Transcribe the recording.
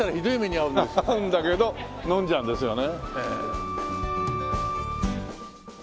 遭うんだけど飲んじゃうんですよね。